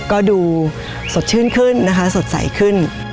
ก็ดูสดชื่นขึ้นนะคะสดใสขึ้น